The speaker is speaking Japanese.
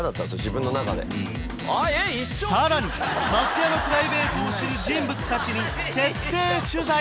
自分の中でさらに松也のプライベートを知る人物達に徹底取材！